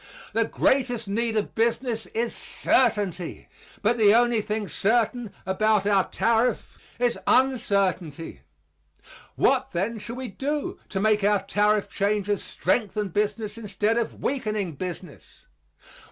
The greatest need of business is certainty; but the only thing certain about our tariff is uncertainty. What, then, shall we do to make our tariff changes strengthen business instead of weakening business?